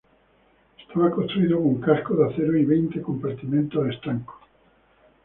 Estaba construido con casco de acero y veinte compartimientos estancos.